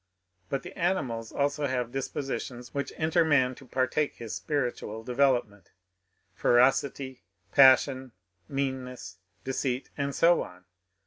But the animals also have dispositions which enter man to partake his spiritual development, — fero city, passion, meanness, deceit, and so on.